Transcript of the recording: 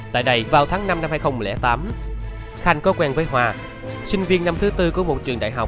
tại đây vào tháng năm năm hai nghìn tám khanh có quen với hòa sinh viên năm thứ tư của một trường đại học